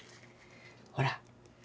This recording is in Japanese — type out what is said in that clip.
ほら。